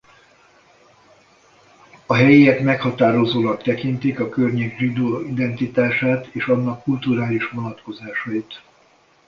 A helyiek meghatározónak tekintik a környék zsidó identitását és annak kulturális vonatkozásait.